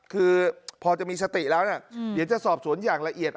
คือพอจะมีสติแล้วนะเดี๋ยวจะสอบสวนอย่างละเอียด